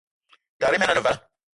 Tara men ane vala.